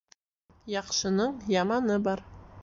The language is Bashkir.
Яҡшының яманы бар.